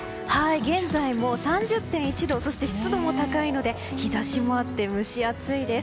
現在も３０．１度そして湿度も高いので日差しもあって、蒸し暑いです。